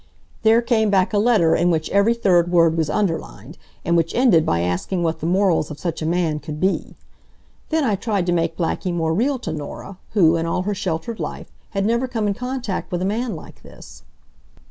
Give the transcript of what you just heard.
There came back a letter in which every third word was underlined, and which ended by asking what the morals of such a man could be. Then I tried to make Blackie more real to Norah who, in all her sheltered life, had never come in contact with a man like this.